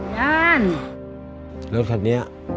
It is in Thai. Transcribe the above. แล้วถัดนี้